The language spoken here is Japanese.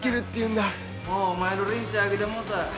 もうお前のリンチ飽きてもうた。